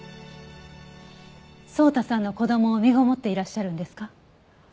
草太さんの子供を身ごもっていらっしゃるんですか？